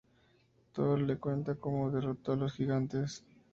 Thor le cuenta cómo derrotó a los gigantes.